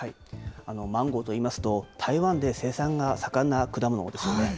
マンゴーといいますと、台湾で生産が盛んな果物ですよね。